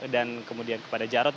dan kemudian kepada jarod